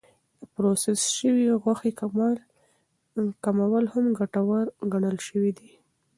د پروسس شوې غوښې کمول هم ګټور ګڼل شوی دی.